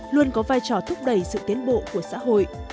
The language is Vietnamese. luôn có vai trò thúc đẩy sự tiến bộ của xã hội